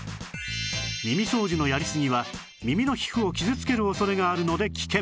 耳掃除のやりすぎは耳の皮膚を傷つける恐れがあるので危険